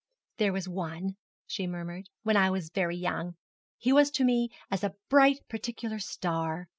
'There was one,' she murmured, 'when I was very young. He was to me as a bright particular star.